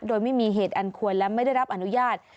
โดยไม่มีเหตุอันควรและไม่ได้รับอนุญาต